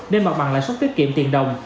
nên bằng lãi suất tiết kiệm tiền đồng